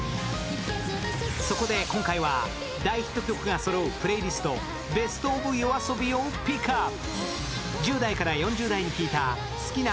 そこで今回は大ヒット曲がそろうプレイリストＢＥＳＴＯＢＹＯＡＳＯＢＩをピックアップ。